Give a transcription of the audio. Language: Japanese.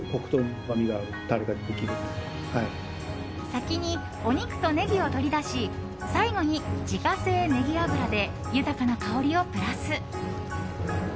先にお肉とネギを取り出し最後に自家製ネギ油で豊かな香りをプラス。